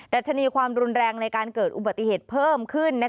ัชนีความรุนแรงในการเกิดอุบัติเหตุเพิ่มขึ้น